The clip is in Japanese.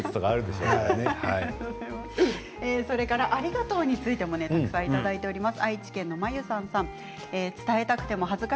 「ありがとう」についてもたくさんきています。